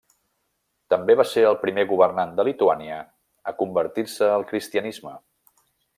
També va ser el primer governant de Lituània a convertir-se al cristianisme.